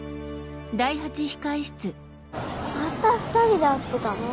また２人で会ってたの？